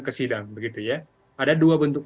ke sidang begitu ya ada dua bentuk